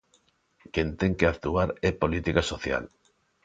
Quen ten que actuar é Política Social.